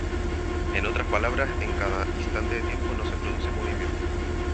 En otras palabras, en cada instante de tiempo no se produce movimiento.